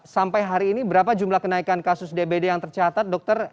sampai hari ini berapa jumlah kenaikan kasus dbd yang tercatat dokter